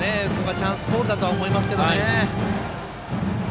チャンスボールだとは思いますけどね。